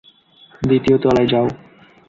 দ্বিতীয় তলায় যাও।